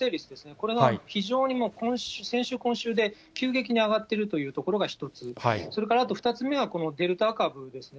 これが非常に先週、今週で、急激に上がっているというところが１つ、それからあと２つ目は、このデルタ株ですね。